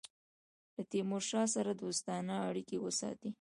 له تیمورشاه سره دوستانه اړېکي وساتي.